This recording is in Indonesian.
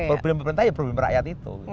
problem pemerintah ya problem rakyat itu